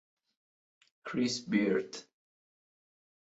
Chris Beard